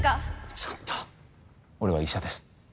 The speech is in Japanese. ちょっと俺は医者です